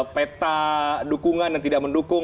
peta dukungan dan tidak mendukung